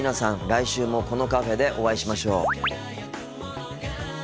来週もこのカフェでお会いしましょう。